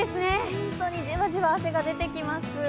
本当にじわじわ汗が出てきます。